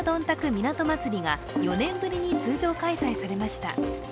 港まつりが４年ぶりに通常開催されました。